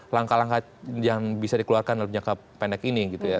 langkah langkah yang bisa dikeluarkan dalam jangka pendek ini gitu ya